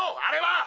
あれは！